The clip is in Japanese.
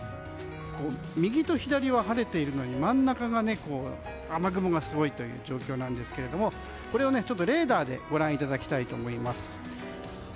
右と左は晴れているのに真ん中が雨雲がすごいという状況なんですがこれをレーダーでご覧いただきたいと思います。